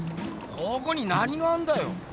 ここに何があんだよ？